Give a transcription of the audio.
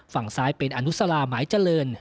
ฝั่งซ้ายเป็นอนุสลาหมายเจริญ